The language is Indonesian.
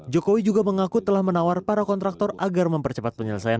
jokowi juga mengaku telah menawar para kontraktor agar mempercepat penyelesaian